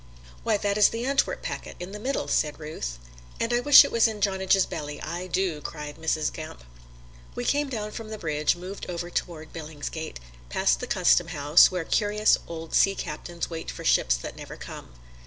"Why, that is the Antwerp packet, in the middle," said Ruth. "And I wish it was in Jonidge's belly, I do," cried Mrs. Gamp. We came down from the bridge, moved over toward Billingsgate, past the Custom House, where curious old sea captains wait for ships that never come.